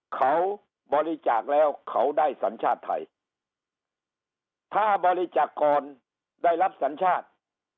เขาบริจาคแล้วเขาได้สัญชาติไทยถ้าบริจาคก่อนได้รับสัญชาติ